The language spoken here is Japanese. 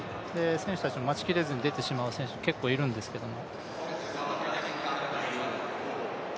選手たちも待ちきれずに出てしまう選手、結構いるんですけれども。